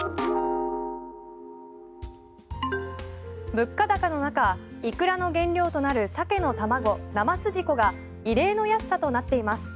物価高の中、イクラの原料となるサケの卵、生すじこが異例の安さとなっています。